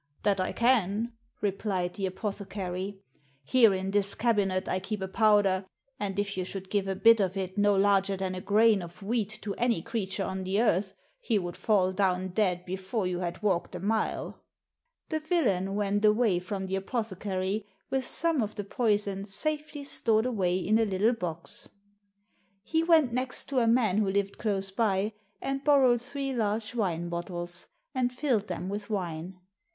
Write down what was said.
" That I can," replied the apothecary. " Here in this cabinet I keep a powder, and if you should give a bit of it no larger than a grain of wheat to any crea ture on the earth, he would fall down dead before you had walked a mile." The villain went away from the apothecary with ^^ 112 €^t ^axbontt'B tak some of the poison safely stored away in a little box. He went next to a man who lived close by, and bor rowed three large wine bottles and filled them with wine.